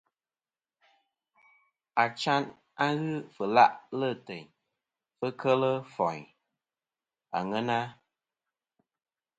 Achayn a ghɨ fɨ la'lɨ teyn fɨ kel foyn àŋena.